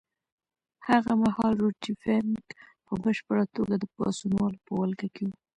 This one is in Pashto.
هغه مهال روټي فنک په بشپړه توګه د پاڅونوالو په ولکه کې وو.